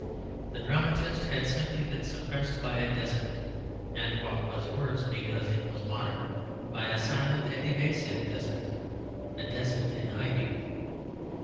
The dramatist had simply been suppressed by a despot; and what was worse (because it was modern) by a silent and evasive despot; a despot in hiding.